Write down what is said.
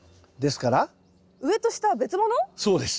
そうです。